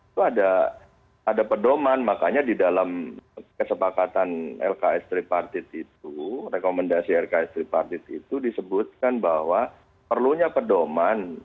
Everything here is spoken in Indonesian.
itu ada pedoman makanya di dalam kesepakatan lks tripartit itu rekomendasi lks tripartit itu disebutkan bahwa perlunya pedoman